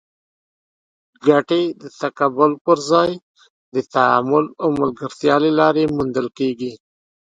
ګټې د تقابل پر ځای د تعامل او ملګرتیا له لارې موندل کېږي.